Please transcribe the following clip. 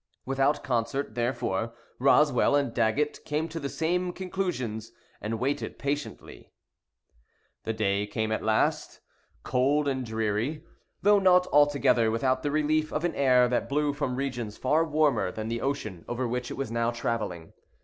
Without concert, therefore, Roswell and Daggett came to the same conclusions, and waited patiently. The day came at last, cold and dreary, though not altogether without the relief of an air that blew from regions far warmer than the ocean over which it was now travelling.